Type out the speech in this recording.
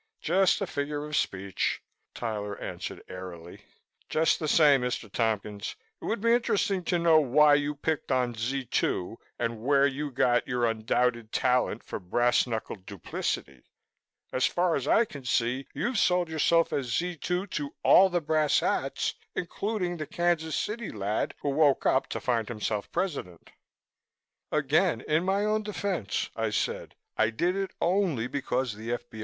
"Just a figure of speech," Tyler answered airily. "Just the same, Mr. Tompkins, it would be interesting to know why you picked on Z 2 and where you got your undoubted talent for brass knuckled duplicity. So far as I can see, you've sold yourself as Z 2 to all the brass hats, including the Kansas City lad who woke up to find himself President." "Again in my own defense," I said, "I did it only because the F.B.